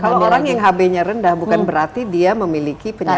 kalau orang yang hb nya rendah bukan berarti dia memiliki penyakit